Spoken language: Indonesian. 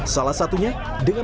salah satunya dengan